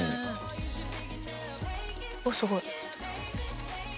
あっすごい。